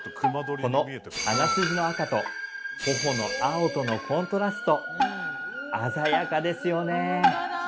この鼻筋の赤と頬の青とのコントラスト鮮やかですよねえ